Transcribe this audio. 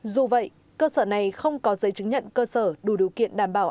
dù vậy cơ sở này không có giấy chứng nhận cơ sở đủ điều kiện đảm bảo